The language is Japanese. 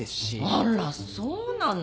あらそうなの？